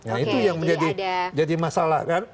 nah itu yang menjadi masalah kan